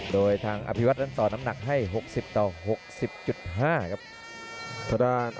โดยทางอภิวัตนั้นต่อน้ำหนักให้๖๐ต่อ๖๐๕ครับ